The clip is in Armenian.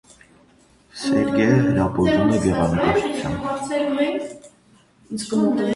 Սերգեյը հրապուրվում է գեղանկարչությամբ։